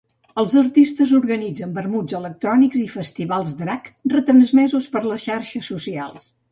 Els artistes organitzen vermuts electrònics i festivals drag retransmesos per les xarxes socials.